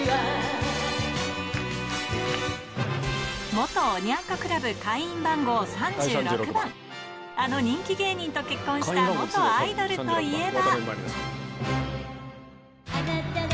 元おニャン子クラブ会員番号３６番、あの人気芸人と結婚した元アイドルといえば。